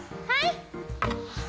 はい！